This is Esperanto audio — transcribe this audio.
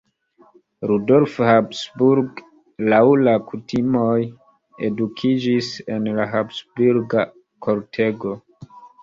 Rudolf Habsburg laŭ la kutimoj edukiĝis en la Habsburga kortego.